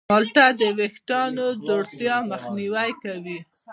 مالټه د ویښتانو د ځوړتیا مخنیوی کوي.